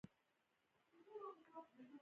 بانکونه د هیواد په هره برخه کې شتون لري.